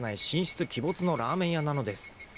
神出鬼没のラーメン屋なのです。